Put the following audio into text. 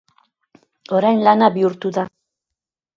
Orain lana bihurtu da.